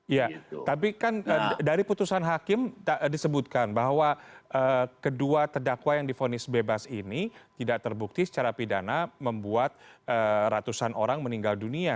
ya tapi kan dari putusan hakim disebutkan bahwa kedua terdakwa yang difonis bebas ini tidak terbukti secara pidana membuat ratusan orang meninggal dunia